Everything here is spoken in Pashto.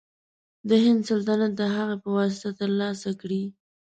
د هند سلطنت د هغه په واسطه تر لاسه کړي.